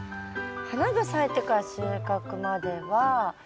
花が咲いてから収穫まではえっと